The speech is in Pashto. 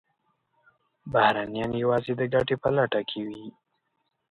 بهرنیان یوازې د ګټې په لټه وي.